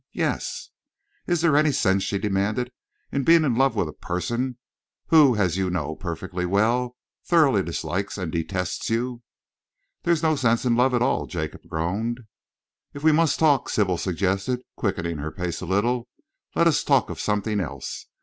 "Yes!" "Is there any sense," she demanded, "in being in love with a person who, as you perfectly well know, thoroughly dislikes and detests you?" "There's no sense in love at all," Jacob groaned. "If we must talk," Sybil suggested, quickening her pace a little, "let us talk of something else.